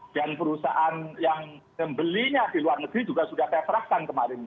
dan perusahaan yang membelinya di luar negeri juga sudah terterahkan kemarin